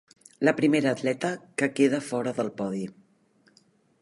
La primera atleta que queda fora del podi.